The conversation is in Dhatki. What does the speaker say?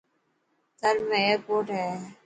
ٿر ۾ ايرپوٽ هي.